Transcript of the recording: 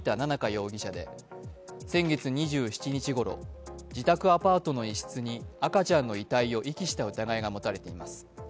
容疑者で先月２７日ごろ、自宅アパートの一室に赤ちゃんの遺体を遺棄した疑いが持たれています。